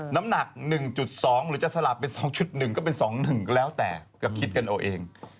น้ำหนัก๑๒หรือจะสลับเป็น๒๑ก็เป็น๒๑แล้วแต่ก็คิดกันเอาเอง